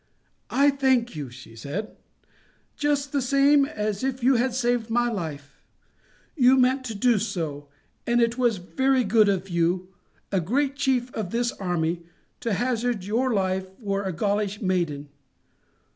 "I thank you," she said, "just the same as if you had saved my life. You meant to do so, and it was very good of you, a great chief of this army, to hazard your life for a Gaulish maiden.